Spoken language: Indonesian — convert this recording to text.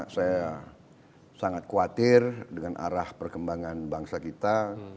saya sangat khawatir dengan arah perkembangan bangsa kita